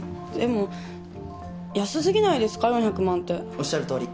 おっしゃるとおり。